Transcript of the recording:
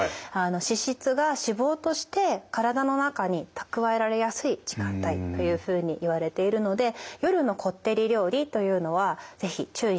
脂質が脂肪として体の中に蓄えられやすい時間帯というふうにいわれているので夜のこってり料理というのは是非注意していただきたいなと。